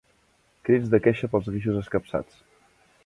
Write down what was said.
Crits de queixa pels guixos escapçats.